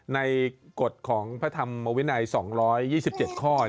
ในกฎของพระธรรมวินัยสี่สองร้อยยี่สิบเจ็ดข้อ